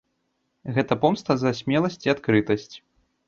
Гэта помста за смеласьць і адкрытасць.